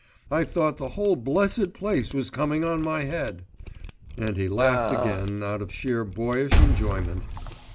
I thought the whole blessed place was coming on my head," and he laughed again out of sheer boyish enjoyment.